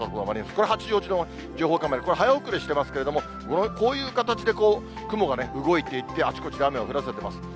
これ、八王子の情報カメラ、早送りしてますけど、こういう形で雲が動いていって、あちこちで雨を降らせていってます。